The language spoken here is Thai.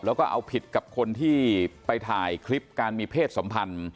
แล้วก็เอาผิดกับคนที่ไปถ่ายคลิปการมีเพศสัมพันธ์